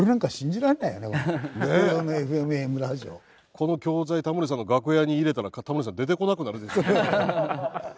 この教材タモリさんの楽屋に入れたらタモリさん出てこなくなるでしょうね。